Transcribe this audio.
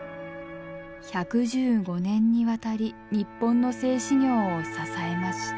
１１５年にわたり日本の製糸業を支えました。